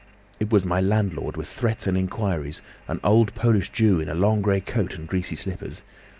It was my landlord with threats and inquiries, an old Polish Jew in a long grey coat and greasy slippers.